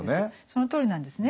そのとおりなんですね。